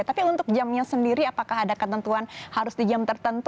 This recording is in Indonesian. tapi untuk jamnya sendiri apakah ada ketentuan harus di jam tertentu